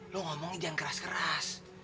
lo ngomongin jangan keras keras